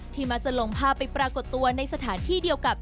มักจะลงภาพไปปรากฏตัวในสถานที่เดียวกับ